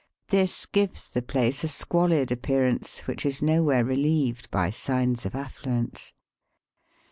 This gives the place a squalid appearance, which is nowhere relieved by signs of affluence.